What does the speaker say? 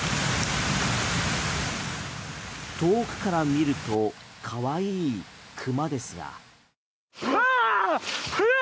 遠くから見るとかわいい熊ですが。